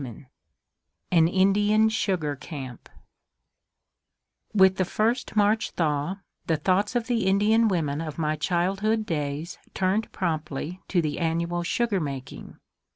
III AN INDIAN SUGAR CAMP With the first March thaw the thoughts of the Indian women of my childhood days turned promptly to the annual sugar making.